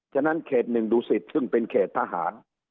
ฉะนั้นเขตหนึ่งดูสิทธิ์ซึ่งเป็นเขตทหาร